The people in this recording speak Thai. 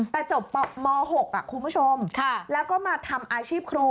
แต่จบม๖คุณผู้ชมแล้วก็มาทำอาชีพครู